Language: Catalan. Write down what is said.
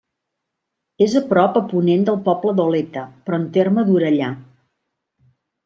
És a prop a ponent del poble d'Oleta, però en terme d'Orellà.